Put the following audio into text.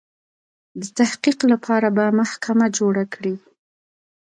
د تحقیق لپاره به محکمه جوړه کړي.